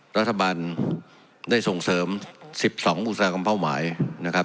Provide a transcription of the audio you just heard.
รัฐบาลได้ส่งเสริม๑๒อุตสาหกรรมเป้าหมายนะครับ